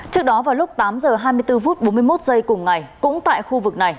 trước đó vào lúc tám h hai mươi bốn bốn mươi một cùng ngày cũng tại khu vực này